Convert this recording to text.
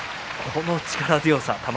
この力強さ、玉鷲。